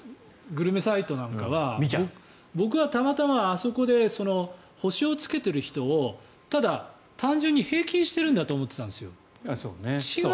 グルメサイトなんかは僕は、たまたまあそこで星をつけている人をただ、単純に平均してるんだと思ってたんですよ。